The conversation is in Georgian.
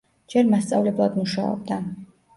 ჯერ მასწავლებლად მუშაობდა.